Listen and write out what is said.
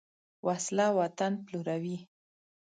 وسله وطن پلوروي